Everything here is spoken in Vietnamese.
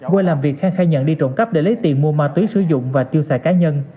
qua làm việc khang khai nhận đi trộm cắp để lấy tiền mua ma túy sử dụng và tiêu xài cá nhân